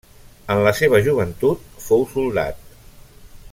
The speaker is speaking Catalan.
En la seva joventut, fou soldat.